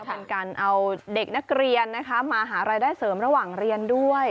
เป็นการเอาเด็กนักเรียนมาหารายได้เสริมระหว่างเรียนด้วย